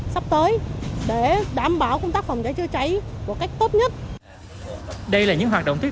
sắp tới để đảm bảo công tác phòng cháy chữa cháy một cách tốt nhất đây là những hoạt động thiết